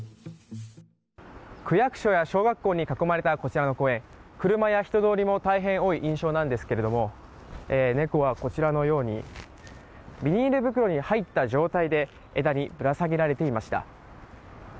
区役所や小学校に囲まれたこちらの公園車や人通りも大変多い印象なんですが猫は、こちらのようにビニール袋に入った状態で枝にぶら下げられていました。